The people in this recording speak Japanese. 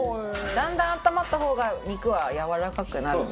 だんだん温まった方が肉はやわらかくなるので。